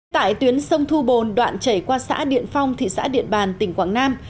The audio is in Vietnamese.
tại tuyến sông thu bồn đoạn chảy qua xã điện phong thị xã điện bàn tỉnh quảng nam